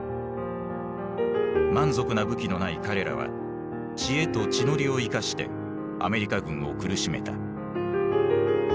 満足な武器のない彼らは知恵と地の利を生かしてアメリカ軍を苦しめた。